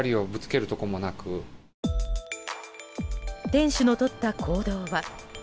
店主のとった行動は。